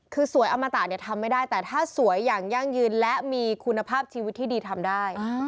คือสวยอมตะเนี่ยทำไม่ได้แต่ถ้าสวยอย่างยั่งยืนและมีคุณภาพชีวิตที่ดีทำได้